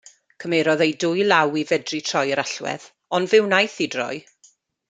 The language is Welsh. Cymerodd ei dwy law i fedru troi yr allwedd, ond fe wnaeth hi droi.